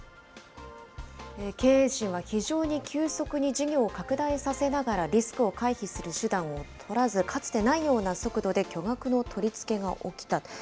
経営陣は非常に急速に事業を拡大させながら、リスクを回避する手段を取らず、かつてないような速度で巨額の取り付けが起きた。